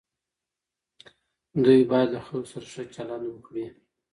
دوی باید له خلکو سره ښه چلند وکړي.